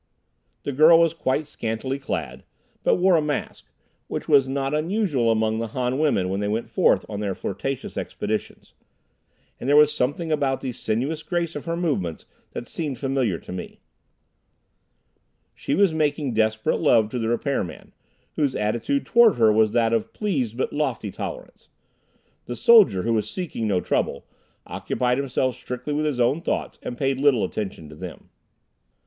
The girl was quite scantily clad, but wore a mask, which was not unusual among the Han women when they went forth on their flirtatious expeditions, and there was something about the sinuous grace of her movements that seemed familiar to me. She was making desperate love to the repair man, whose attitude toward her was that of pleased but lofty tolerance. The soldier, who was seeking no trouble, occupied himself strictly with his own thoughts and paid little attention to them.